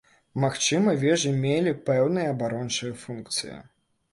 Магчыма, вежы мелі пэўныя абарончыя функцыі.